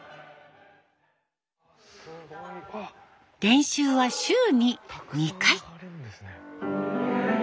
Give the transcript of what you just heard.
練習は週に２回。